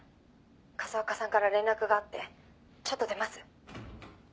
風岡さんから連絡があってちょっと出ます。